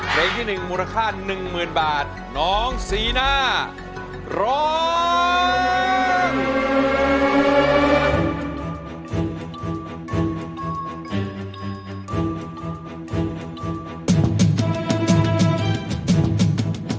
ถูกได้ถูกได้ถูกได้ถูกได้ถูกได้ถูกได้ถูกได้